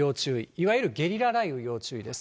いわゆるゲリラ雷雨に要注意です。